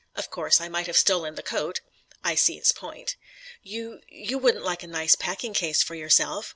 Of course I might have stolen the coat. I see his point. "You you wouldn't like a nice packing case for yourself?"